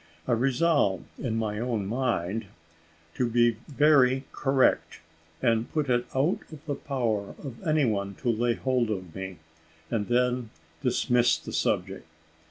I resolved, in my own mind, to be very correct, and put it out of the power of any one to lay hold of me, and then dismissed the subject.